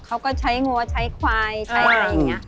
เขาก็ใช้งัวใช้ควายใช้อะไรอย่างนี้